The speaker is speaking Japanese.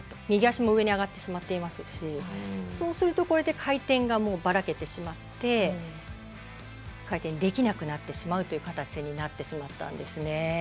右足も上に上がってしまっていますしそうするとこうやって回転がバラけてしまって回転できなくなってしまうという形になってしまったんですね。